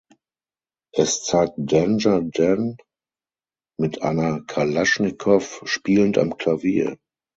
Es zeigt Danger Dan mit einer Kalaschnikow spielend am Klavier.